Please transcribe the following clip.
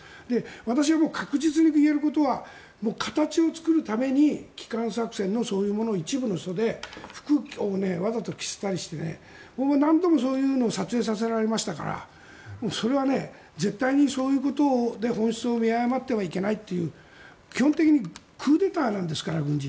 私が確実に言えることは形を作るために帰還作戦のそういうのを一部の人へ空気をわざと作って僕は何度もそういうのを撮影させられましたからそれは絶対にそういうことで本質を見誤ってはいけないという基本的にクーデターなんですから軍事。